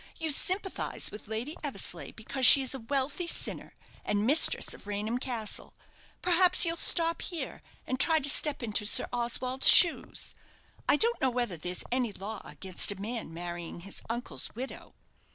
"You sympathize with Lady Eversleigh because she is a wealthy sinner, and mistress of Raynham Castle. Perhaps you'll stop here and try to step into Sir Oswald's shoes. I don't know whether there's any law against a man marrying his uncle's widow."